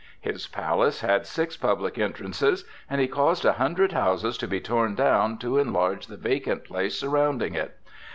His palace had six public entrances, and he caused a hundred houses to be torn down to enlarge the vacant place surrounding it.